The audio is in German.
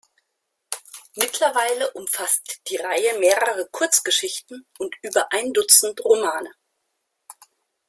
Mittlerweile umfasst die Reihe mehrere Kurzgeschichten und über ein Dutzend Romane.